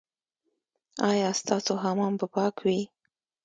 ایا ستاسو حمام به پاک وي؟